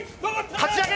かち上げ！